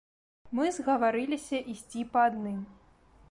Мы згаварыліся ісці па адным.